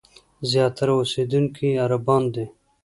زیاتره اوسېدونکي یې عربان دي.